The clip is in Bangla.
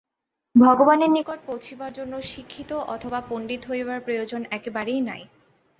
ভগবানের নিকট পৌঁছিবার জন্য শিক্ষিত অথবা পণ্ডিত হইবার প্রয়োজন একেবারেই নাই।